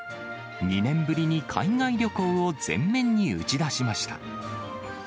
２年ぶりに海外旅行を前面に打ち出しました。